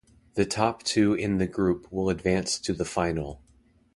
The top two in the group will advance to the final.